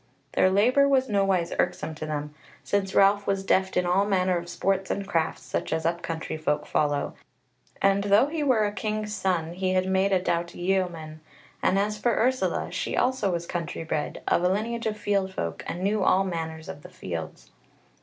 Their labour was nowise irksome to them, since Ralph was deft in all manner of sports and crafts, such as up country folk follow, and though he were a king's son, he had made a doughty yeoman: and as for Ursula, she also was country bred, of a lineage of field folk, and knew all the manners of the fields.